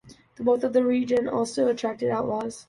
The wealth in the region also attracted outlaws.